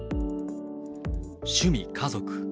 趣味、家族。